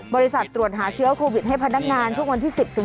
บริษัทตรวจหาเชื้อโควิดให้พนักงานช่วงวันที่สิบถึง